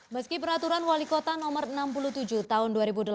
meski peraturan wali kota no enam puluh tujuh tahun dua ribu delapan belas